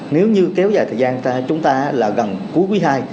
nếu như kéo dài thời gian thì chúng ta là gần cuối quý hai